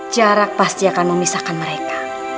jarak pasti akan memisahkan mereka